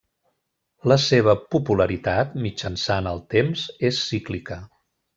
La seva popularitat, mitjançant el temps, és cíclica.